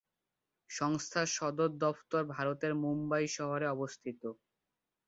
সংস্থার সদর দফতর ভারতের মুম্বই শহরে অবস্থিত।